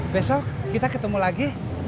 besok kita ketemu lagi